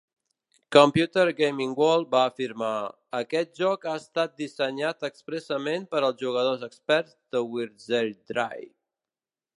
Computer Gaming World va afirmar: "Aquest joc ha estat dissenyat expressament per als jugadors experts de Wirzardry".